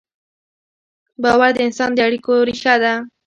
باور د انسان د اړیکو ریښه ده.